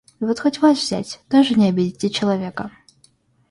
Вот хоть вас взять, тоже не обидите человека...